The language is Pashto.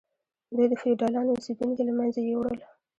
دوی د فیوډالانو اوسیدونکي له منځه یوړل.